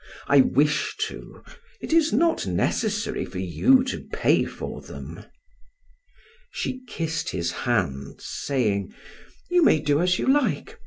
I wish to; it is not necessary for you to pay for them." She kissed his hands, saying: "You may do as you like.